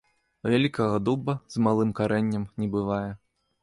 Вялікага дуба з малым карэннем не бывае